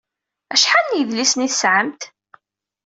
Acḥal n yedlisen i tesɛamt?